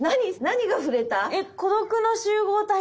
何が触れた？